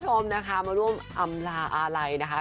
ผมมันร่วมอำราอาลัยนะฮะ